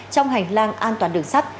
trong hành lang an toàn đường sắt